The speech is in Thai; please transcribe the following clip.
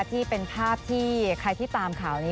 ที่เป็นภาพที่ใครที่ตามข่าวนี้